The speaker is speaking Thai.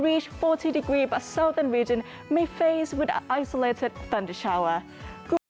มีเทพฯสุดท้ายและไม่มีเทพฯสุดท้ายและไม่มีเทพฯ